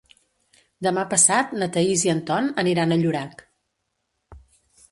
Demà passat na Thaís i en Ton aniran a Llorac.